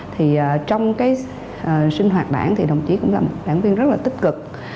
trong sinh hoạt đảng thì đồng chí cũng là một đảng viên rất là tích cực